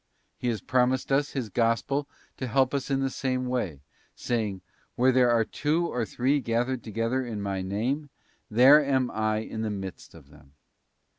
He has promised us in His Gospel to help us in the same way, saying, ' Where there are two or three gathered together in My Name, there am I in the midst of them.